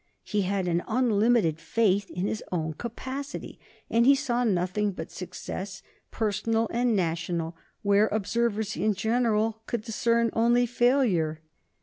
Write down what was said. He had an unlimited faith in his own capacity, and he saw nothing but success, personal and national, where observers in general could discern only failure.